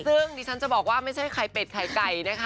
ซึ่งดิฉันจะบอกว่าไม่ใช่ไข่เป็ดไข่ไก่นะคะ